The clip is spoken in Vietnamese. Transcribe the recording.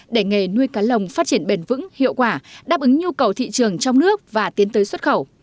để nghề nuôi cá lồng phát triển bền vững hiệu quả đáp ứng nhu cầu thị trường trong nước và tiến tới xuất khẩu